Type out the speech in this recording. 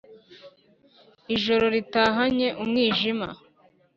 Ijoro ritahanye umwijima